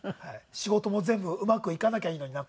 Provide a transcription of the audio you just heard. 仕事も全部うまくいかなきゃいいのにな。